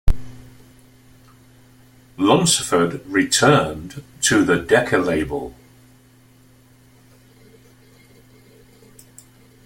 Lunceford returned to the Decca label.